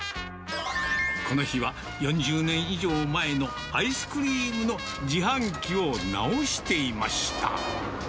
この日は、４０年以上前のアイスクリームの自販機を直していました。